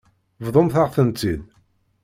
Bḍumt-aɣ-tent-id.